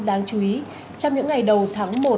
đáng chú ý trong những ngày đầu tháng một